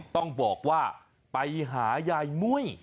ต้องบอกว่าไปหายายมุ้ย